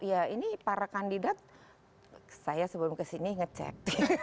ya ini para kandidat saya sebelum kesini ngecek